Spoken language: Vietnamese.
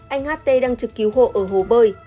anh hát t đang trực cứu hộ ở hồ bơi